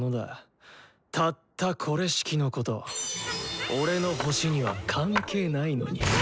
たったこれしきのこと俺の星には関係ないのに。